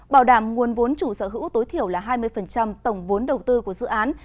bảo đảm nguồn vốn chủ sở hữu tối thiểu là hai mươi tổng vốn đầu tư của dự án